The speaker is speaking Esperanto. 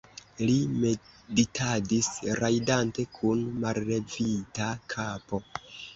li meditadis, rajdante kun mallevita kapo.